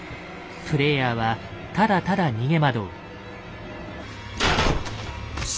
プレイヤーはただただ逃げ惑う。